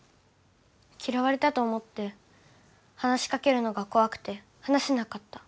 きらわれたと思って話しかけるのがこわくて話せなかった。